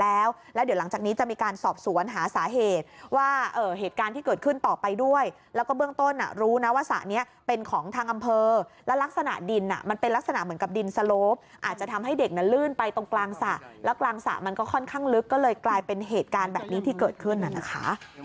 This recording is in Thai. แล้วเดี๋ยวหลังจากนี้จะมีการสอบสวนหาสาเหตุว่าเหตุการณ์ที่เกิดขึ้นต่อไปด้วยแล้วก็เบื้องต้นรู้นะว่าสระนี้เป็นของทางอำเภอและลักษณะดินมันเป็นลักษณะเหมือนกับดินสโลปอาจจะทำให้เด็กนั้นลื่นไปตรงกลางสระแล้วกลางสระมันก็ค่อนข้างลึกก็เลยกลายเป็นเหตุการณ์แบบนี้ที่เกิดขึ้นน่ะนะคะ